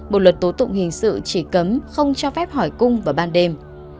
bộ luật tố tụng hình sự chỉ cấm không cho phép hỏi cung vào ban đêm